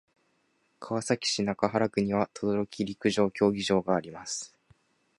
川崎市中原区には等々力陸上競技場があります。